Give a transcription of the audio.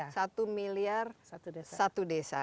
satu miliar satu desa